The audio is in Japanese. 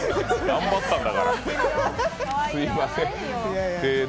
頑張ったんだから。